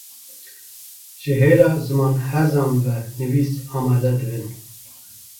ji hêla zimanhezan ve nivîs amade dibin